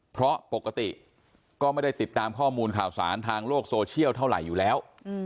เพราะปกติก็ไม่ได้ติดตามข้อมูลข่าวสารทางโลกโซเชียลเท่าไหร่อยู่แล้ว